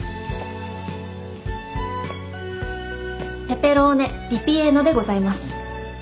ペペローネリピエーノでございます。